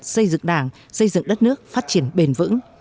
xây dựng đảng xây dựng đất nước phát triển bền vững